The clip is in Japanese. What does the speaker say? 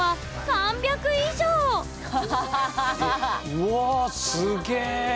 うわすげえ！